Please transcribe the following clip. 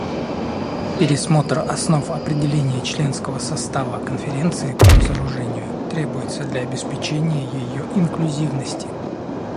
Пересмотр основ определения членского состава Конференции по разоружению требуется для обеспечения ее инклюзивности.